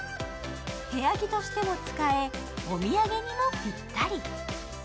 部屋着としても使え、お土産にもぴったり。